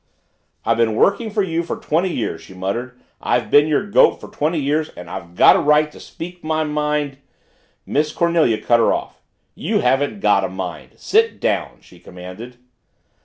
"I've been working for you for twenty years," she muttered. "I've been your goat for twenty years and I've got a right to speak my mind " Miss Cornelia cut her off. "You haven't got a mind. Sit down," she commanded.